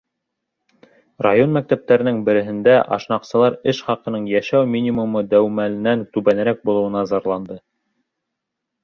Район мәктәптәренең береһендә ашнаҡсылар эш хаҡының йәшәү минимумы дәүмәленән түбәнерәк булыуына зарланды.